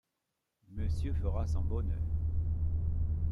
Monsieur fera son bonheur